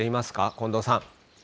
近藤さん。